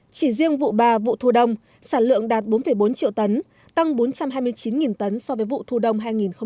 chỉ riêng vụ ba vụ thu đông sản lượng đạt bốn bốn triệu tấn tăng bốn trăm hai mươi chín tấn so với vụ thu đông hai nghìn một mươi chín